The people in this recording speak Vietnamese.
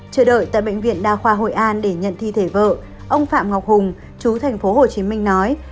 chờ đợi tại bệnh viện đa khoa hội an để nhận thi thể vợ ông phạm ngọc hùng chú thành phố hồ chí minh nói